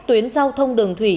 tuyến giao thông đường thủy